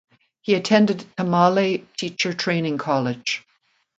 He attended Tamale Teacher Training College.